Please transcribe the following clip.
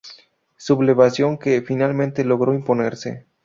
Sublevación que, finalmente, logró imponerse.